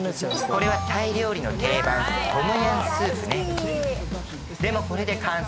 これはタイ料理の定番トムヤムスープね